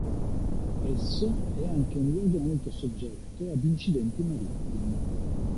Esso è anche un luogo molto soggetto ad incidenti marittimi.